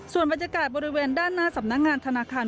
ส่วนบรรยากาศบริเวณด้านหน้าสำนักงานธนาคาร